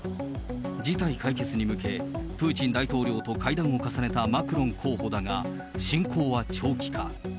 事態解決に向け、プーチン大統領と会談を重ねたマクロン候補だが、侵攻は長期化。